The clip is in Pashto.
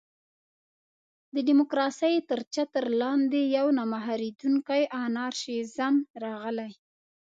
د ډیموکراسۍ تر چتر لاندې یو نه مهارېدونکی انارشېزم راغلی.